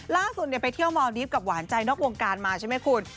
ไปเที่ยวมอลดีฟกับหวานใจนอกวงการมาใช่ไหมคุณ